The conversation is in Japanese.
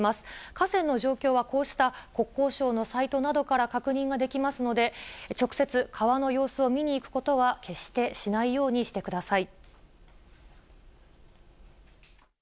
河川の状況はこうした国交省のサイトなどから確認ができますので、直接川の様子を見に行くことは決してしないようにしてください。